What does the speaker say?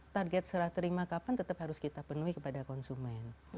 target serah terima kapan tetap harus kita penuhi kepada konsumen